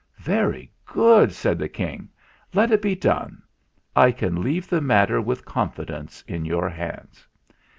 "Very good," said the King. "Let it be done. I can leave the matter with confidence in your hands."